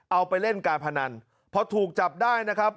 เอาไปเล่นการพนันพอถูกจับได้นะครับ